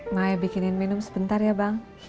maya bikinin minum sebentar ya bang